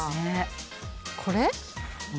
これ？